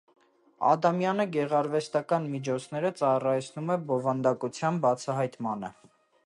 Ադամյանը գեղարվեստական միջոցները ծառայեցնում է բովանդակության բացահայտմանը։